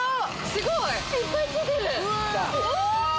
すごい！